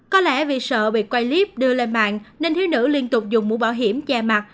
có lẽ vì sợ bị quay clip đưa lên mạng nên thiếu nữ liên tục dùng mũ bảo hiểm che mặt